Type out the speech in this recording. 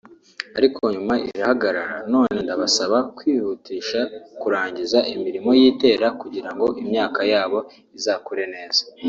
ariko nyuma irahagarara none ndabasaba kwihutisha kurangiza imirimo y’itera kugira ngo imyaka yabo izakure neza”